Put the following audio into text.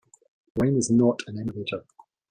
Wine is not an emulator.